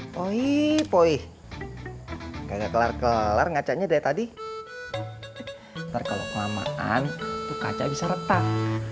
poi poi kayak kelar kelar ngacanya dari tadi ntar kalau kelamaan itu kaca bisa retak